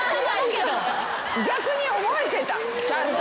逆に覚えてたちゃんと。